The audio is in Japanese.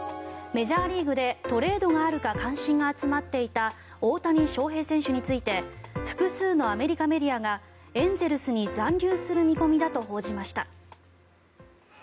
メジャーリーグでトレードがあるか関心が集まっていた大谷翔平選手について複数のアメリカメディアがエンゼルスに残留する見込みだと報じました。